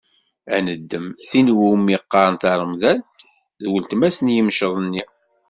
Ad neddem tin i wumi qqaren taremdalt, d uletma-s n yimceḍ-nni.